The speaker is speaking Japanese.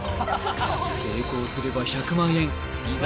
成功すれば１００万円いざ